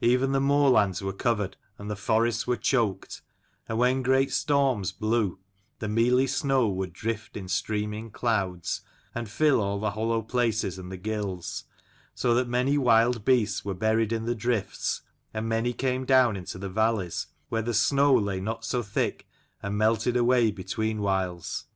Even the moorlands were covered and the forests were choked : and when great storms blew, the mealy snow would drift in streaming clouds, and fill all the hollow places and the gills : so that many wild beasts were buried in the drifts, and many came down into the valleys, where the snow lay 68 not so thick and melted away between whiles.